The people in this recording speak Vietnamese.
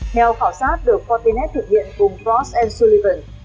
theo khảo sát được fortinet thực hiện cùng frost sullivan